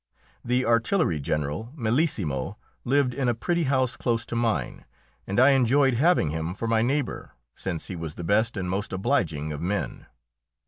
The artillery general, Melissimo, lived in a pretty house close to mine, and I enjoyed having him for my neighbour, since he was the best and most obliging of men.